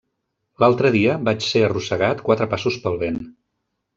L'altre dia vaig ser arrossegat quatre passos pel vent.